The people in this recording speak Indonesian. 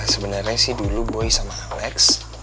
sebenarnya sih dulu boy sama alex